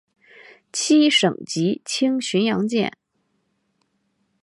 七省级轻巡洋舰。